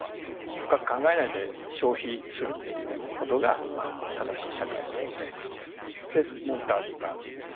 深く考えないで消費するっていうことが正しい社会なので。